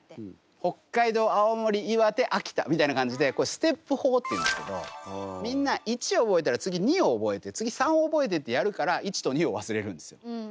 北海道青森岩手秋田みたいな感じでステップ法っていうんですけどみんな１覚えたら次２を覚えて次３覚えてってやるから１と２を忘れるんですよ。